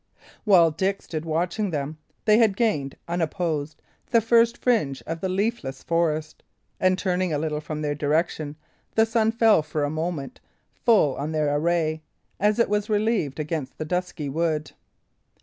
While Dick stood watching them, they had gained, unopposed, the first fringe of the leafless forest, and, turning a little from their direction, the sun fell for a moment full on their array, as it was relieved against the dusky wood.